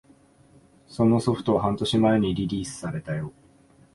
そのソフトは半年前にリリースされたよ